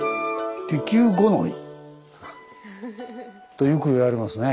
とよくいわれますね。